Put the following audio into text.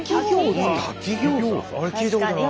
聞いたことない。